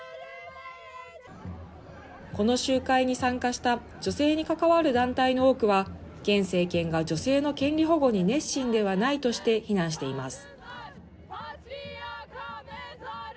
この集会に参加した女性に関わる団体の多くは、現政権が女性の権利保護に熱心ではないとして非難しています。